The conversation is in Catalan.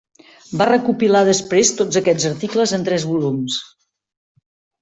Va recopilar després tots aquests articles en tres volums.